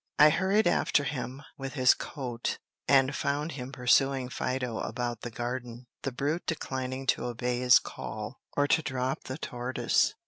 I hurried after him with his coat, and found him pursuing Fido about the garden, the brute declining to obey his call, or to drop the tortoise.